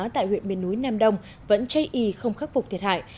tại huyện miền núi nam đông vẫn chây y không khắc phục thiệt hại